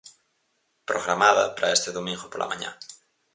Programada para este domingo pola mañá.